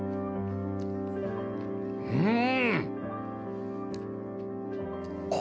うん！